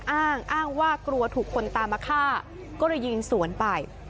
อ้างอ้างว่ากลัวถูกคนตามมาฆ่าก็เลยยิงสวนไป